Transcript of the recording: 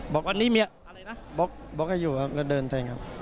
บล็อกให้อยู่แล้วเดินแทงครับ